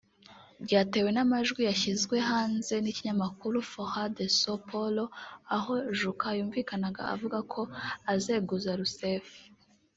ryatewe n’amajwi yashyizwe hanze n’ikinyamakuru Folha de Sao Paulo aho Juca yumvikanaga avuga ko azeguza Roussef